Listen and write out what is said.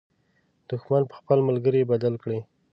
دښمن په خپل ملګري بدل کړئ.